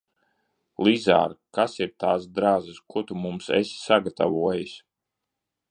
Lizār, kas ir tās drazas, ko tu mums esi sagatavojis?